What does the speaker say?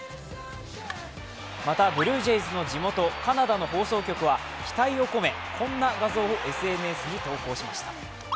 また、ブルージェイズの地元、カナダの放送局は期待を込め、こんな画像をＳＮＳに投稿しました。